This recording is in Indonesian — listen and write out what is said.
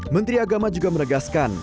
menteri agama juga menegaskan